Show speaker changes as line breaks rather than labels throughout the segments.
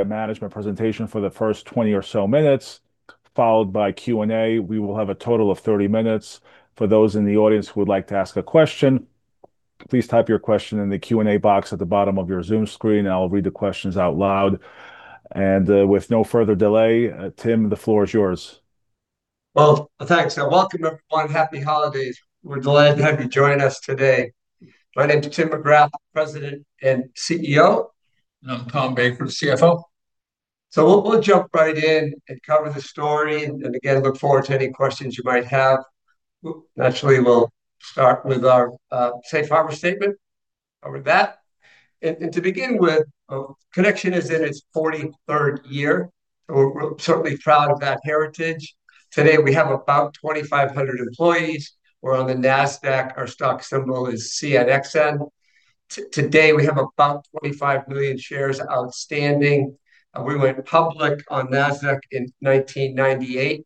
A management presentation for the first 20 or so minutes, followed by Q&A. We will have a total of 30 minutes. For those in the audience who would like to ask a question, please type your question in the Q&A box at the bottom of your Zoom screen, and I'll read the questions out loud, and with no further delay, Tim, the floor is yours.
Thanks. Welcome, everyone. Happy holidays. We're delighted to have you join us today. My name is Tim McGrath, President and CEO.
I'm Tom Baker, CFO.
So we'll jump right in and cover the story, and again, look forward to any questions you might have. Naturally, we'll start with our Safe Harbor statement. Cover that. And to begin with, Connection is in its 43rd year. We're certainly proud of that heritage. Today, we have about 2,500 employees. We're on the NASDAQ. Our stock symbol is CNXN. Today, we have about 25 million shares outstanding. We went public on NASDAQ in 1998.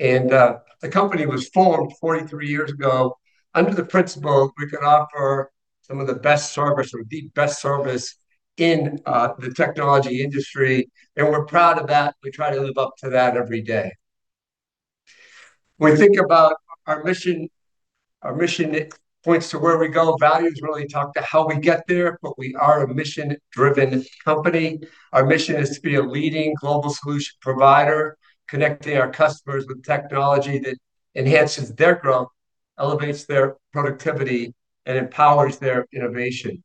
And the company was formed 43 years ago under the principle we could offer some of the best service, the best service in the technology industry. And we're proud of that. We try to live up to that every day. When we think about our mission, our mission points to where we go. Values really talk to how we get there, but we are a mission-driven company. Our mission is to be a leading global solution provider, connecting our customers with technology that enhances their growth, elevates their productivity, and empowers their innovation.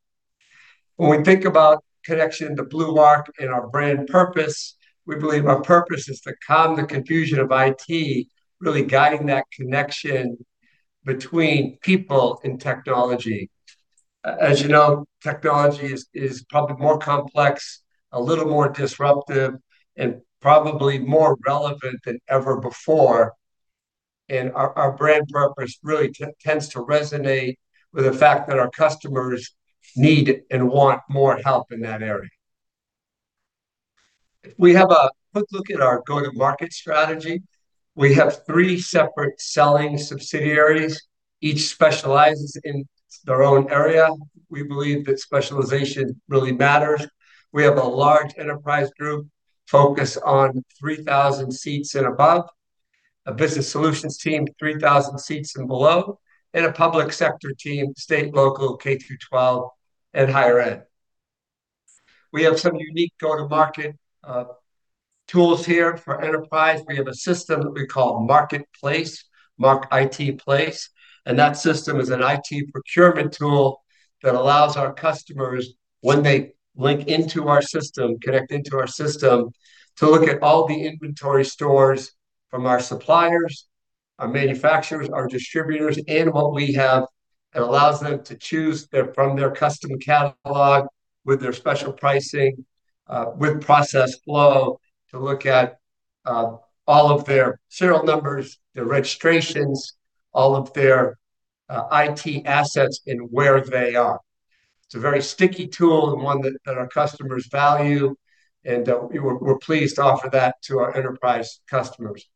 When we think about Connection, the blue mark, and our brand purpose, we believe our purpose is to calm the confusion of IT, really guiding that connection between people and technology. As you know, technology is probably more complex, a little more disruptive, and probably more relevant than ever before. And our brand purpose really tends to resonate with the fact that our customers need and want more help in that area. We have a quick look at our go-to-market strategy. We have three separate selling subsidiaries. Each specializes in their own area. We believe that specialization really matters. We have a large enterprise group focused on 3,000 seats and above, a business solutions team, 3,000 seats and below, and a public sector team, state, local, K through 12, and higher ed. We have some unique go-to-market tools here for enterprise. We have a system that we call MarkITplace. And that system is an IT procurement tool that allows our customers, when they link into our system, connect into our system, to look at all the inventory stores from our suppliers, our manufacturers, our distributors, and what we have. It allows them to choose from their custom catalog with their special pricing, with process flow, to look at all of their serial numbers, their registrations, all of their IT assets, and where they are. It's a very sticky tool and one that our customers value. And we're pleased to offer that to our enterprise customers.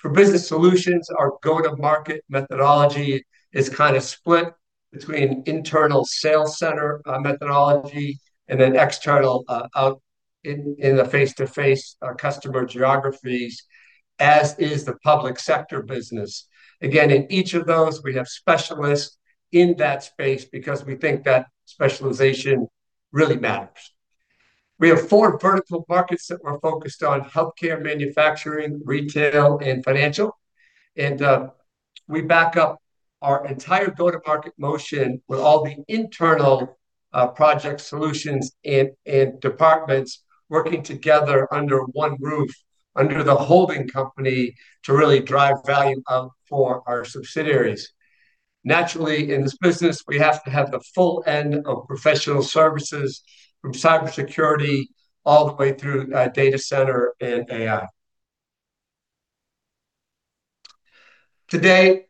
For business solutions, our go-to-market methodology is kind of split between internal sales center methodology and then external in the face-to-face customer geographies, as is the public sector business. Again, in each of those, we have specialists in that space because we think that specialization really matters. We have four vertical markets that we're focused on: healthcare, manufacturing, retail, and financial. And we back up our entire go-to-market motion with all the internal project solutions and departments working together under one roof, under the holding company, to really drive value out for our subsidiaries. Naturally, in this business, we have to have the full end of professional services from cybersecurity all the way through data center and AI. Today,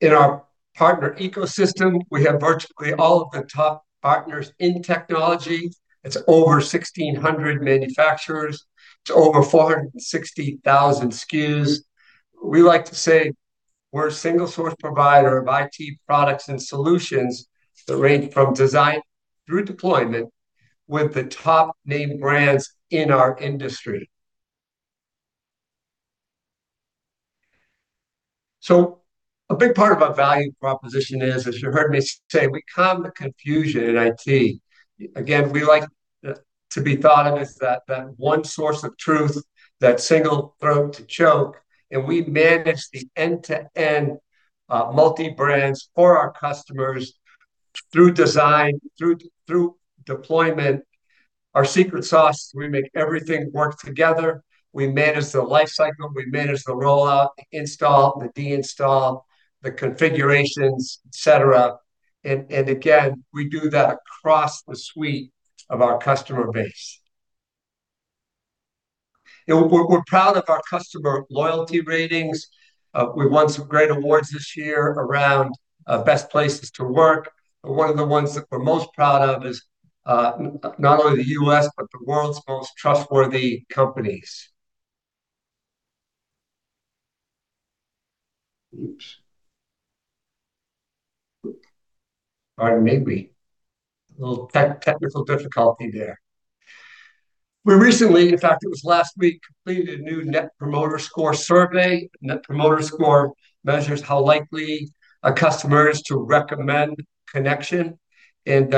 in our partner ecosystem, we have virtually all of the top partners in technology. It's over 1,600 manufacturers. It's over 460,000 SKUs. We like to say we're a single-source provider of IT products and solutions that range from design through deployment with the top name brands in our industry, so a big part of our value proposition is, as you heard me say, we calm the confusion in IT. Again, we like to be thought of as that one source of truth, that single throat to choke, and we manage the end-to-end multi-brands for our customers through design, through deployment. Our secret sauce is we make everything work together. We manage the life cycle. We manage the rollout, the install, the deinstall, the configurations, etc., and again, we do that across the suite of our customer base. We're proud of our customer loyalty ratings. We won some great awards this year around Best Places to Work One of the ones that we're most proud of is not only the U.S., but the world's most trustworthy companies. Oops. Pardon me. A little technical difficulty there. We recently, in fact, it was last week, completed a new Net Promoter Score survey. Net Promoter Score measures how likely a customer is to recommend Connection, and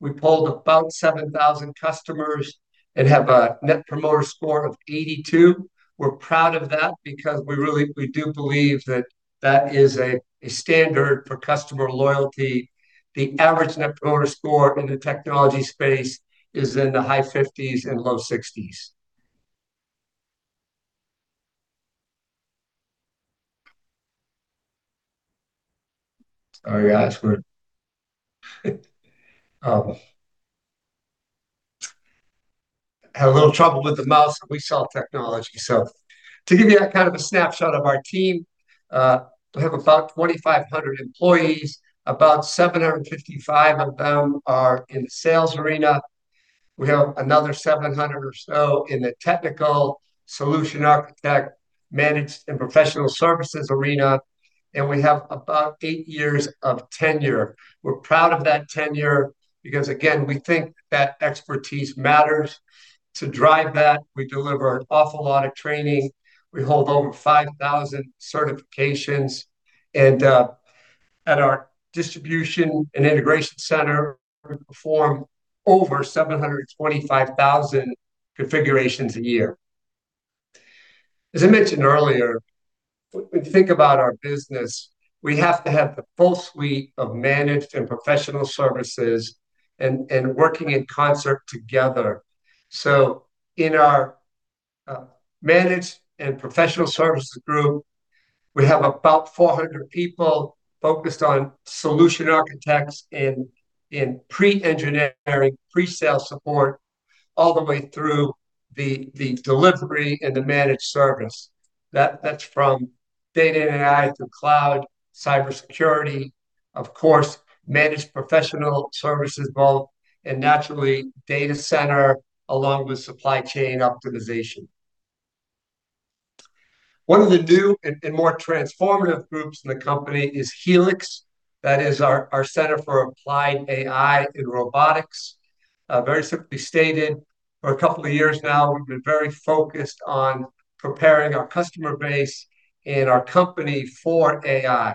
we polled about 7,000 customers and have a Net Promoter Score of 82. We're proud of that because we do believe that that is a standard for customer loyalty. The average Net Promoter Score in the technology space is in the high 50s and low 60s. Sorry, guys. Had a little trouble with the mouse and we saw technology, so to give you kind of a snapshot of our team, we have about 2,500 employees. About 755 of them are in the sales arena. We have another 700 or so in the technical solution architect, managed, and professional services arena. And we have about eight years of tenure. We're proud of that tenure because, again, we think that expertise matters. To drive that, we deliver an awful lot of training. We hold over 5,000 certifications. And at our distribution and integration center, we perform over 725,000 configurations a year. As I mentioned earlier, when you think about our business, we have to have the full suite of managed and professional services and working in concert together. So in our managed and professional services group, we have about 400 people focused on solution architects and pre-engineering, pre-sale support, all the way through the delivery and the managed service. That's from data and AI to cloud, cybersecurity, of course, managed professional services both, and naturally, data center along with supply chain optimization. One of the new and more transformative groups in the company is Helix. That is our center for applied AI and robotics. Very simply stated, for a couple of years now, we've been very focused on preparing our customer base and our company for AI.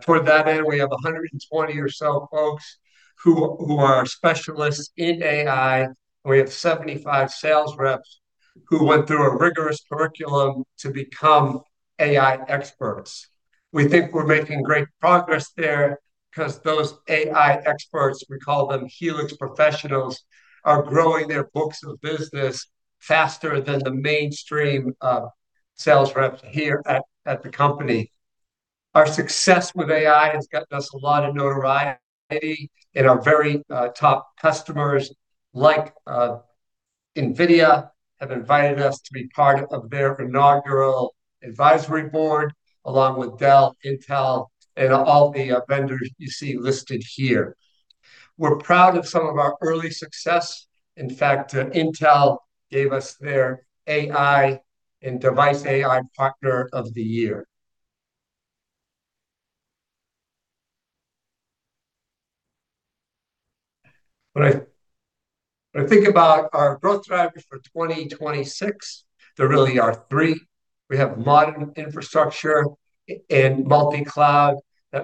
Toward that end, we have 120 or so folks who are specialists in AI. We have 75 sales reps who went through a rigorous curriculum to become AI experts. We think we're making great progress there because those AI experts, we call them Helix professionals, are growing their books of business faster than the mainstream sales reps here at the company. Our success with AI has gotten us a lot of notoriety, and our very top customers like NVIDIA have invited us to be part of their inaugural advisory board along with Dell, Intel, and all the vendors you see listed here. We're proud of some of our early success. In fact, Intel gave us their AI and Device AI Partner of the Year. When I think about our growth drivers for 2026, there really are three. We have modern infrastructure and multi-cloud.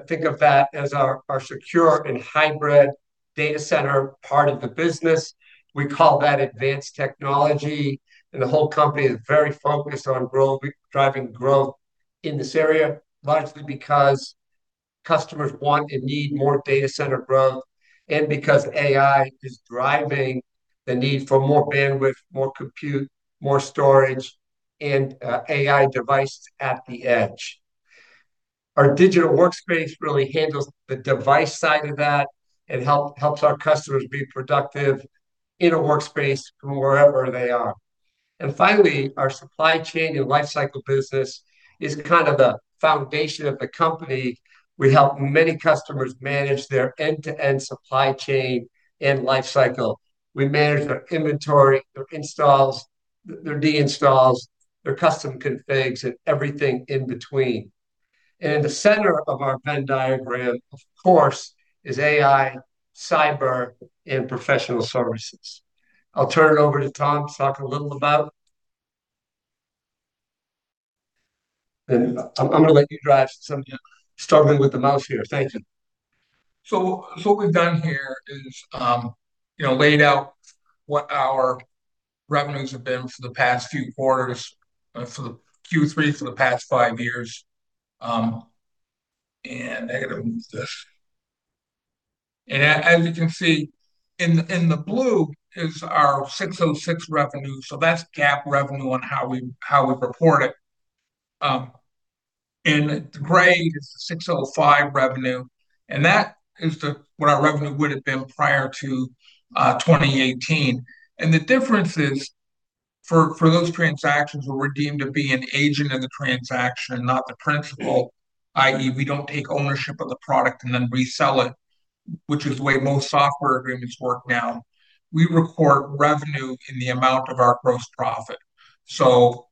Think of that as our secure and hybrid data center part of the business. We call that advanced technology. And the whole company is very focused on driving growth in this area, largely because customers want and need more data center growth and because AI is driving the need for more bandwidth, more compute, more storage, and AI devices at the edge. Our digital workspace really handles the device side of that and helps our customers be productive in a workspace from wherever they are. And finally, our supply chain and life cycle business is kind of the foundation of the company. We help many customers manage their end-to-end supply chain and life cycle. We manage their inventory, their installs, their deinstalls, their custom configs, and everything in between, and in the center of our Venn diagram, of course, is AI, cyber, and professional services. I'll turn it over to Tom to talk a little about, and I'm going to let you drive. I'm struggling with the mouse here. Thank you.
So what we've done here is laid out what our revenues have been for the past few quarters, for the Q3 for the past five years. And I got to move this. And as you can see, in the blue is our 606 revenue. So that's GAAP revenue on how we report it. And the gray is the 605 revenue. And that is what our revenue would have been prior to 2018. And the difference is for those transactions, we're required to be an agent of the transaction, not the principal, i.e., we don't take ownership of the product and then resell it, which is the way most software agreements work now. We report revenue in the amount of our gross profit. For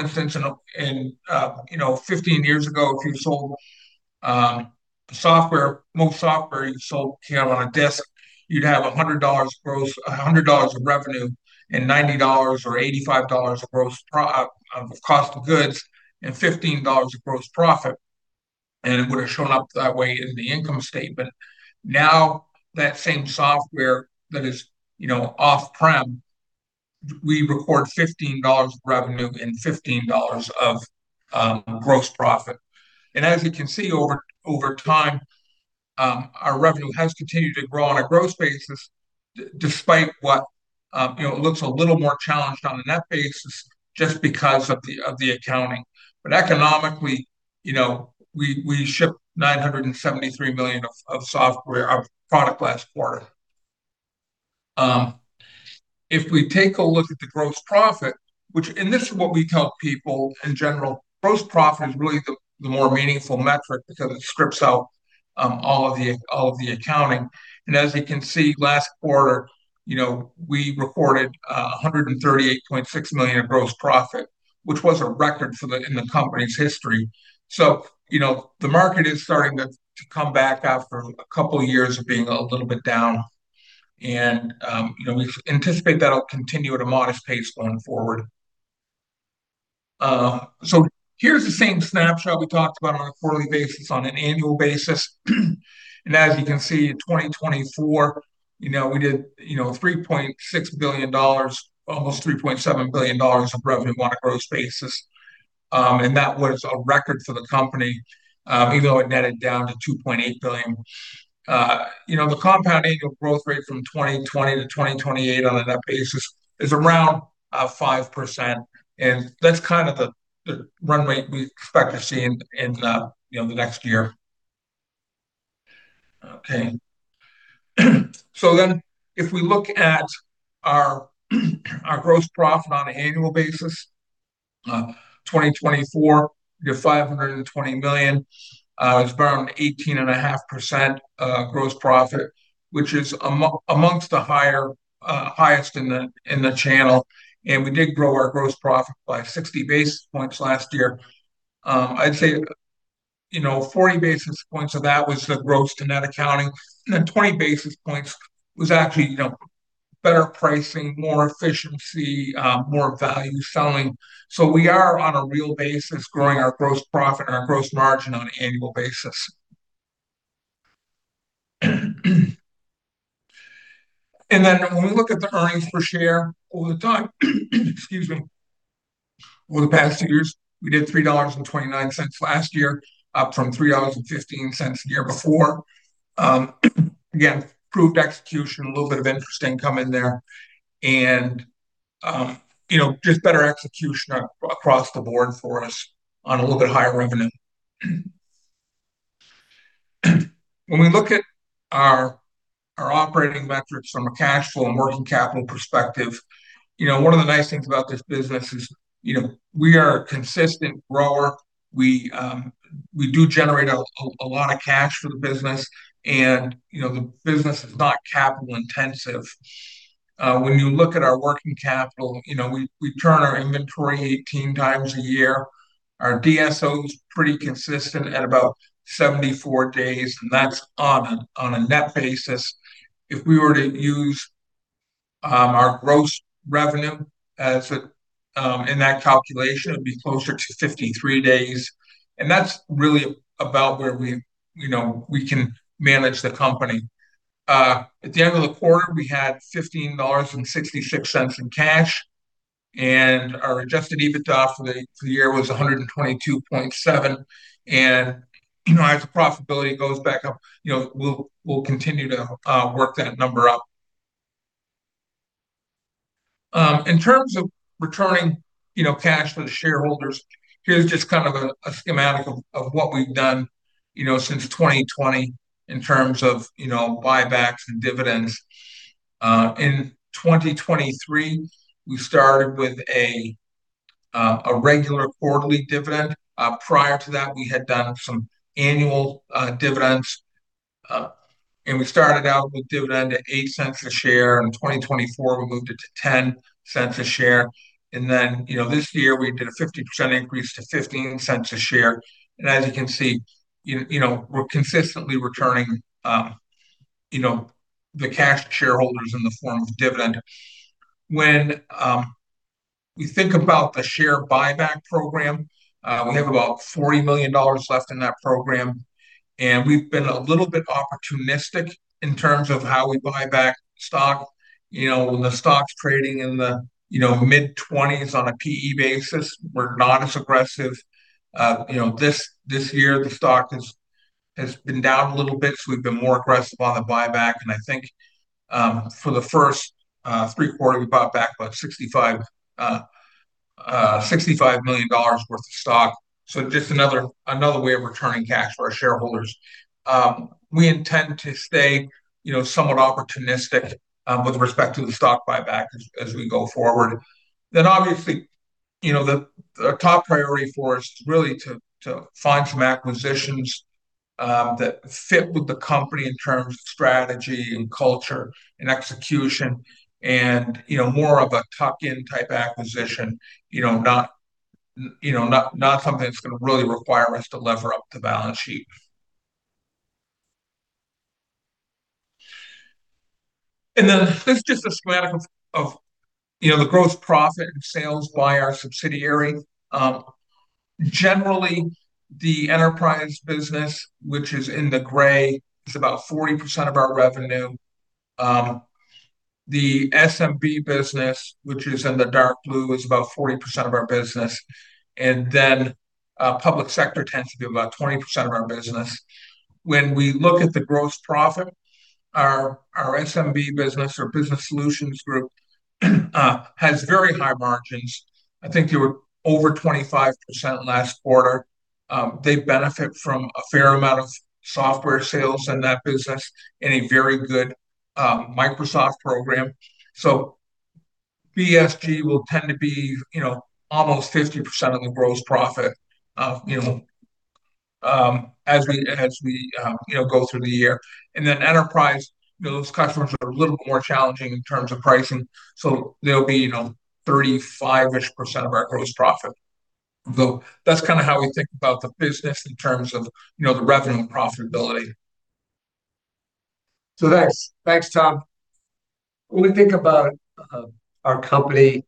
instance, 15 years ago, if you sold software, most software you sold here on a desk, you'd have $100 of revenue and $90 or $85 of cost of goods and $15 of gross profit. It would have shown up that way in the income statement. Now, that same software that is off-prem, we record $15 of revenue and $15 of gross profit. As you can see, over time, our revenue has continued to grow on a gross basis despite what it looks a little more challenged on the net basis just because of the accounting. Economically, we shipped $973 million of software product last quarter. If we take a look at the gross profit, which is what we tell people in general, gross profit is really the more meaningful metric because it strips out all of the accounting. As you can see, last quarter, we reported $138.6 million of gross profit, which was a record in the company's history. The market is starting to come back after a couple of years of being a little bit down. We anticipate that it'll continue at a modest pace going forward. Here's the same snapshot we talked about on a quarterly basis, on an annual basis. As you can see, in 2024, we did $3.6 billion, almost $3.7 billion of revenue on a gross basis. That was a record for the company, even though it netted down to $2.8 billion. The compound annual growth rate from 2020 to 2028 on a net basis is around 5%. That's kind of the run rate we expect to see in the next year. Okay. Then if we look at our gross profit on an annual basis, 2024, we did $520 million. It's about 18.5% gross profit, which is among the highest in the channel. We did grow our gross profit by 60 basis points last year. I'd say 40 basis points of that was the gross to net accounting. Then 20 basis points was actually better pricing, more efficiency, more value selling. We are on a real basis growing our gross profit and our gross margin on an annual basis. When we look at the earnings per share over the time, excuse me, over the past two years, we did $3.29 last year, up from $3.15 the year before. Again, proved execution, a little bit of interesting coming there, and just better execution across the board for us on a little bit higher revenue. When we look at our operating metrics from a cash flow and working capital perspective, one of the nice things about this business is we are a consistent grower. We do generate a lot of cash for the business, and the business is not capital intensive. When you look at our working capital, we turn our inventory 18 times a year. Our DSO is pretty consistent at about 74 days, and that's on a net basis. If we were to use our gross revenue in that calculation, it'd be closer to 53 days, and that's really about where we can manage the company. At the end of the quarter, we had $15.66 in cash, and our Adjusted EBITDA for the year was 122.7, and as the profitability goes back up, we'll continue to work that number up. In terms of returning cash for the shareholders, here's just kind of a schematic of what we've done since 2020 in terms of buybacks and dividends. In 2023, we started with a regular quarterly dividend. Prior to that, we had done some annual dividends. And we started out with dividend at eight cents a share. In 2024, we moved it to 10 cents a share. And then this year, we did a 50% increase to 15 cents a share. And as you can see, we're consistently returning the cash to shareholders in the form of dividend. When we think about the share buyback program, we have about $40 million left in that program. And we've been a little bit opportunistic in terms of how we buy back stock. When the stock's trading in the mid-20s on a PE basis, we're not as aggressive. This year, the stock has been down a little bit, so we've been more aggressive on the buyback, and I think for the first three quarters, we bought back about $65 million worth of stock. So just another way of returning cash for our shareholders. We intend to stay somewhat opportunistic with respect to the stock buyback as we go forward. Then, obviously, the top priority for us is really to find some acquisitions that fit with the company in terms of strategy and culture and execution and more of a tuck-in type acquisition, not something that's going to really require us to lever up the balance sheet, and then this is just a schematic of the gross profit and sales by our subsidiary. Generally, the enterprise business, which is in the gray, is about 40% of our revenue. The SMB business, which is in the dark blue, is about 40% of our business. And then public sector tends to be about 20% of our business. When we look at the gross profit, our SMB business, our business solutions group, has very high margins. I think they were over 25% last quarter. They benefit from a fair amount of software sales in that business and a very good Microsoft program. So BSG will tend to be almost 50% of the gross profit as we go through the year. And then enterprise, those customers are a little more challenging in terms of pricing. So they'll be 35-ish% of our gross profit. So that's kind of how we think about the business in terms of the revenue and profitability.
So thanks, Tom. When we think about our company,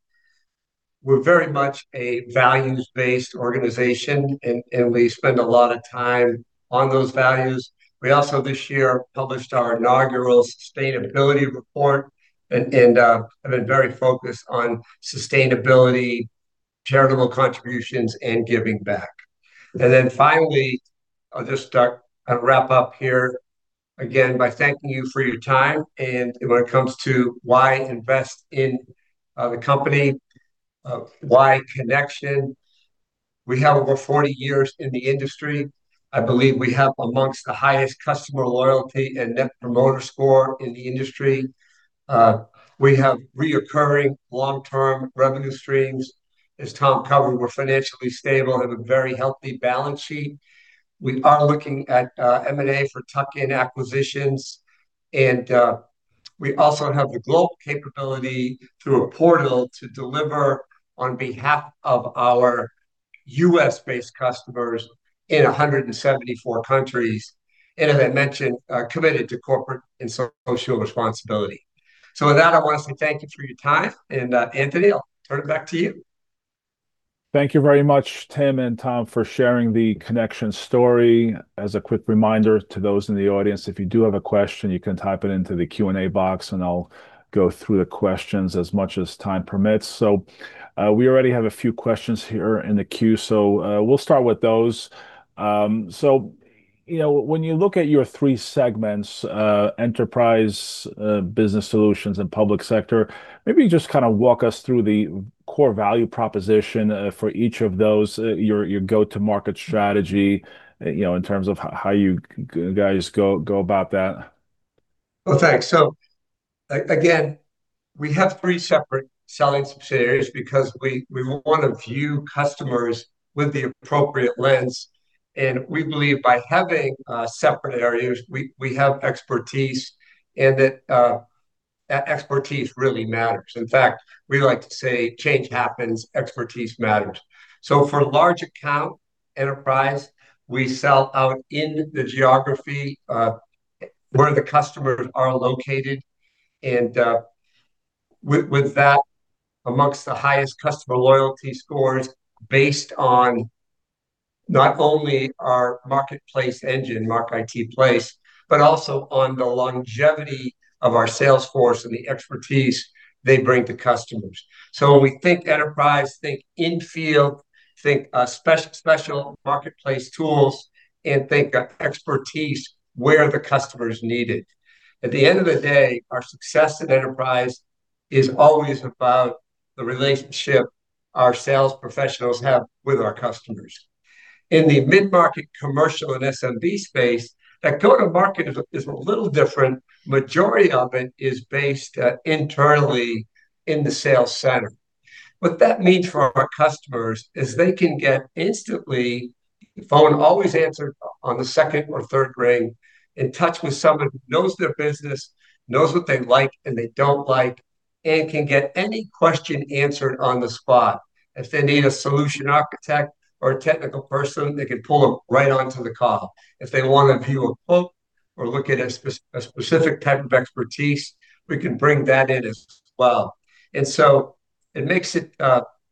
we're very much a values-based organization, and we spend a lot of time on those values. We also this year published our inaugural sustainability report and have been very focused on sustainability, charitable contributions, and giving back, and then finally, I'll just wrap up here again by thanking you for your time. When it comes to why invest in the company, why Connection? We have over 40 years in the industry. I believe we have amongst the highest customer loyalty and Net Promoter Score in the industry. We have recurring long-term revenue streams. As Tom covered, we're financially stable, have a very healthy balance sheet. We are looking at M&A for tuck-in acquisitions. And we also have the global capability through a portal to deliver on behalf of our U.S.-based customers in 174 countries. And as I mentioned, committed to corporate and social responsibility. So with that, I want to say thank you for your time. And Anthony, I'll turn it back to you.
Thank you very much, Tim and Tom, for sharing the Connection story. As a quick reminder to those in the audience, if you do have a question, you can type it into the Q&A box, and I'll go through the questions as much as time permits. So we already have a few questions here in the queue, so we'll start with those. So when you look at your three segments, enterprise, business solutions, and public sector, maybe you just kind of walk us through the core value proposition for each of those, your go-to-market strategy in terms of how you guys go about that.
Well, thanks. So again, we have three separate selling subsidiaries because we want to view customers with the appropriate lens. And we believe by having separate areas, we have expertise, and that expertise really matters. In fact, we like to say, change happens, expertise matters. So for large account enterprise, we sell out in the geography where the customers are located. And with that, among the highest customer loyalty scores based on not only our marketplace engine, MarkITplace, but also on the longevity of our salesforce and the expertise they bring to customers. So when we think enterprise, think infield, think special marketplace tools, and think expertise where the customer is needed. At the end of the day, our success in enterprise is always about the relationship our sales professionals have with our customers. In the mid-market commercial and SMB space, that go-to-market is a little different. The majority of it is based internally in the sales center. What that means for our customers is they can get instantly the phone always answered on the second or third ring, in touch with someone who knows their business, knows what they like and they don't like, and can get any question answered on the spot. If they need a solution architect or a technical person, they can pull them right onto the call. If they want to view a quote or look at a specific type of expertise, we can bring that in as well. And so it makes it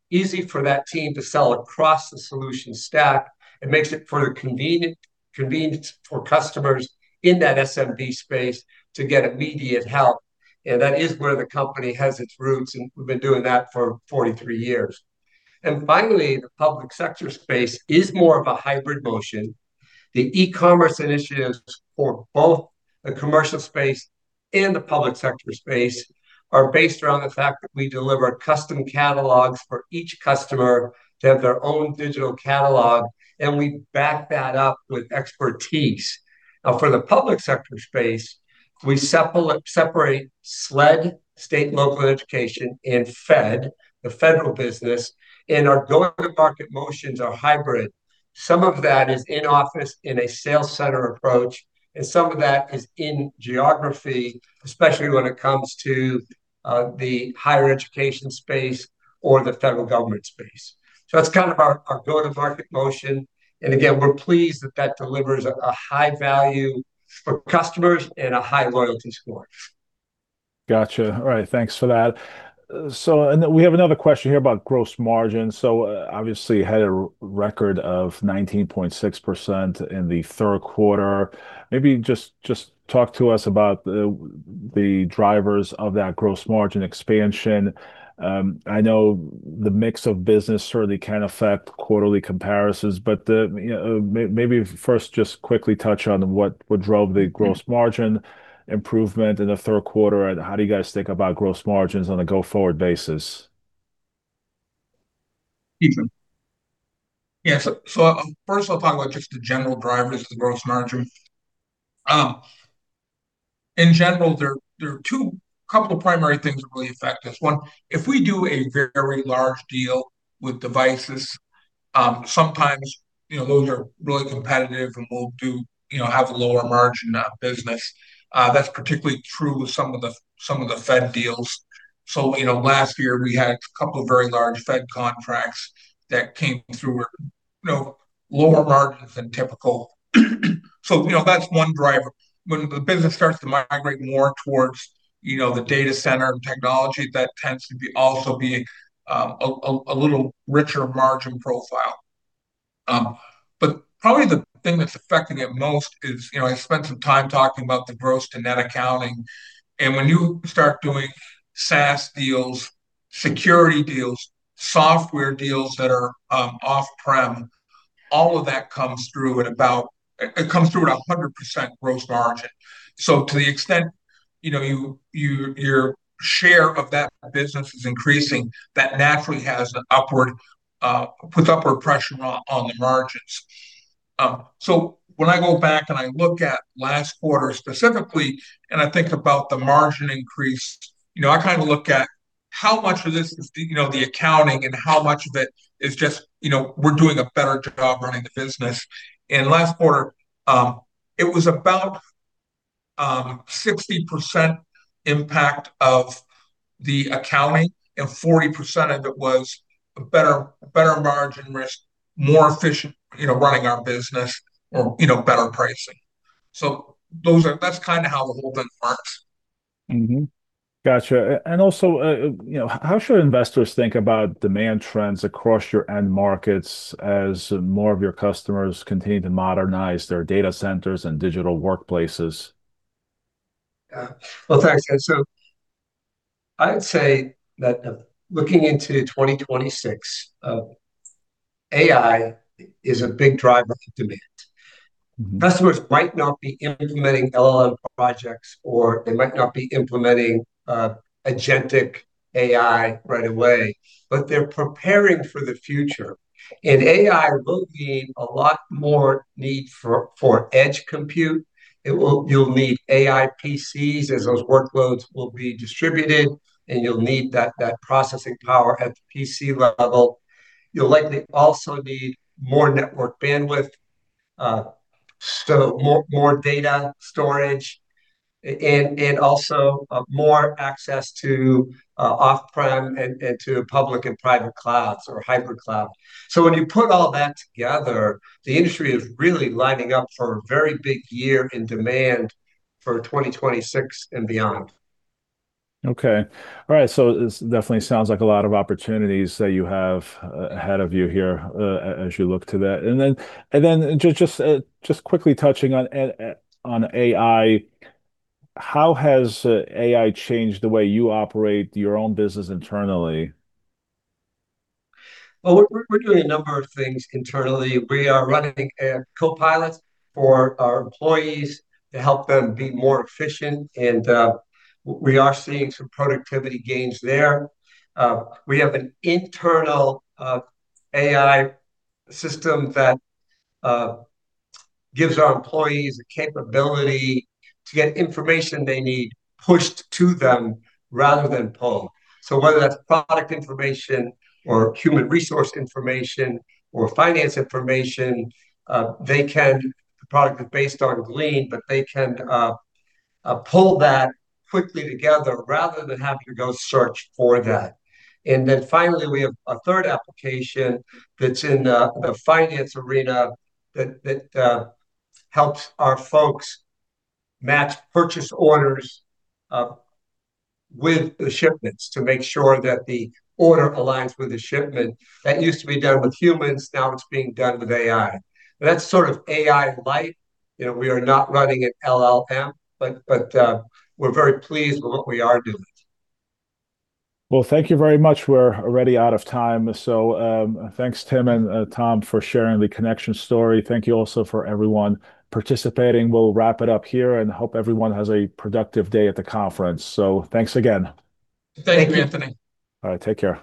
easy for that team to sell across the solution stack. It makes it further convenient for customers in that SMB space to get immediate help. And that is where the company has its roots, and we've been doing that for 43 years. And finally, the public sector space is more of a hybrid motion. The e-commerce initiatives for both the commercial space and the public sector space are based around the fact that we deliver custom catalogs for each customer to have their own digital catalog, and we back that up with expertise. Now, for the public sector space, we separate SLED, state and local education, and fed, the federal business, and our go-to-market motions are hybrid. Some of that is in-office in a sales center approach, and some of that is in geography, especially when it comes to the higher education space or the federal government space. So that's kind of our go-to-market motion. And again, we're pleased that that delivers a high value for customers and a high loyalty score.
Gotcha. All right. Thanks for that. So we have another question here about gross margin. So obviously, you had a record of 19.6% in the third quarter. Maybe just talk to us about the drivers of that gross margin expansion. I know the mix of business certainly can affect quarterly comparisons, but maybe first just quickly touch on what drove the gross margin improvement in the third quarter, and how do you guys think about gross margins on a go-forward basis?
Yeah. So first, I'll talk about just the general drivers of the gross margin. In general, there are a couple of primary things that really affect us. One, if we do a very large deal with devices, sometimes those are really competitive, and we'll have a lower margin business. That's particularly true with some of the fed deals. So last year, we had a couple of very large fed contracts that came through with lower margins than typical. So that's one driver. When the business starts to migrate more towards the data center and technology, that tends to also be a little richer margin profile. But probably the thing that's affecting it most is I spent some time talking about the gross to net accounting. And when you start doing SaaS deals, security deals, software deals that are off-prem, all of that comes through at about 100% gross margin. So to the extent your share of that business is increasing, that naturally puts upward pressure on the margins. So when I go back and I look at last quarter specifically, and I think about the margin increase, I kind of look at how much of this is the accounting and how much of it is just we're doing a better job running the business. And last quarter, it was about 60% impact of the accounting, and 40% of it was a better margin mix, more efficient running our business, or better pricing. So that's kind of how the whole thing works.
Gotcha. And also, how should investors think about demand trends across your end markets as more of your customers continue to modernize their data centers and digital workplaces?
Yeah. Well, thanks, so I'd say that looking into 2026, AI is a big driver of demand. Customers might not be implementing LLM projects, or they might not be implementing agentic AI right away, but they're preparing for the future, and AI will need a lot more need for edge compute. You'll need AI PCs as those workloads will be distributed, and you'll need that processing power at the PC level. You'll likely also need more network bandwidth, so more data storage, and also more access to off-prem and to public and private clouds or hybrid cloud, so when you put all that together, the industry is really lining up for a very big year in demand for 2026 and beyond.
Okay. All right. So it definitely sounds like a lot of opportunities that you have ahead of you here as you look to that. And then just quickly touching on AI, how has AI changed the way you operate your own business internally?
We're doing a number of things internally. We are running Copilot for our employees to help them be more efficient, and we are seeing some productivity gains there. We have an internal AI system that gives our employees the capability to get information they need pushed to them rather than pulled. Whether that's product information or human resource information or finance information, the product is based on LLM, but they can pull that quickly together rather than having to go search for that. Finally, we have a third application that's in the finance arena that helps our folks match purchase orders with the shipments to make sure that the order aligns with the shipment. That used to be done with humans. Now it's being done with AI. That's sort of AI-like. We are not running an LLM, but we're very pleased with what we are doing.
Thank you very much. We're already out of time. Thanks, Tim and Tom, for sharing the Connection story. Thank you also for everyone participating. We'll wrap it up here and hope everyone has a productive day at the conference. Thanks again.
Thank you, Anthony.
All right. Take care.